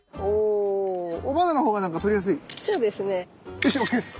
よしＯＫです。